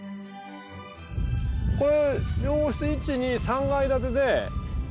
これ。